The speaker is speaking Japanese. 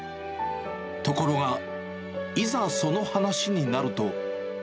ところが、いざその話になると。